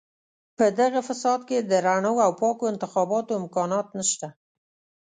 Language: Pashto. په دغه فساد کې د رڼو او پاکو انتخاباتو امکانات نشته.